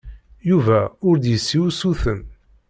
Yuba ur d-yessi usuten.